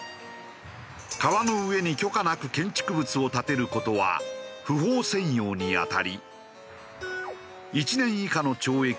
川の上に許可なく建築物を建てる事は不法占用に当たり。